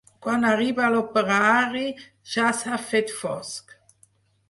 Quan arriba l'operari ja s'ha fet fosc.